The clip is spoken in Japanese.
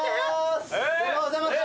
おはようございます。